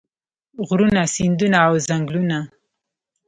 غرونه سیندونه او ځنګلونه.